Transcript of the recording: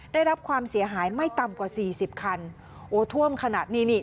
ได้รับความเสียหายไม่ต่ำกว่าสี่สิบคันโอ้ท่วมขนาดนี้นี่